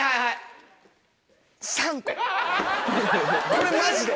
これマジで。